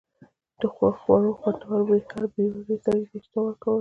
د خوړو خوندور بوی هر بې وږي سړي ته اشتها ورکوله.